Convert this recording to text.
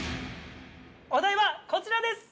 お題はこちらです！